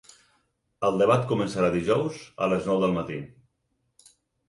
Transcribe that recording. El debat començarà dijous a les nou del matí.